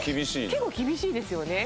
結構厳しいですよね。